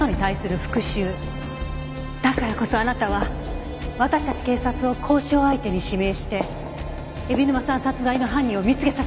だからこそあなたは私たち警察を交渉相手に指名して海老沼さん殺害の犯人を見つけさせようとした。